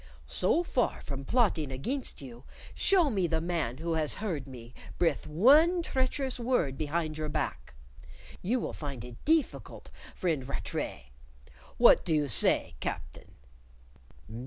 So far from plotting against you, show me the man who has heard me brith one treacherous word behind your back; you will find it deeficult, friend Rattray; what do you say, captain?"